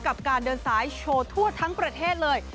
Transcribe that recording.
กับการเดินสายโชว์ทั่วทั้งประเทศเลย